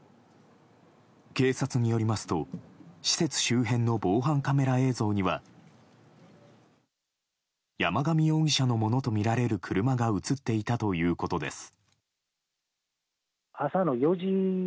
警察によりますと施設周辺の防犯カメラ映像には山上容疑者のものとみられる車が映っていたということです。